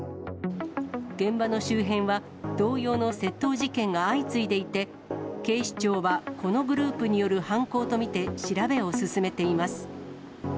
現場の周辺は同様の窃盗事件が相次いでいて、警視庁はこのグループによる犯行と見て調べを進めています。